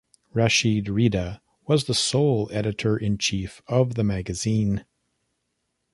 Rashid Rida was the sole editor-in-chief of the magazine.